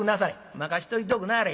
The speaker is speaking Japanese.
「任しといておくなはれ。